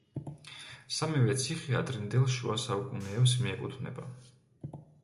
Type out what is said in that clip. სამივე ციხე ადრინდელ შუა საუკუნეებს მიეკუთვნება.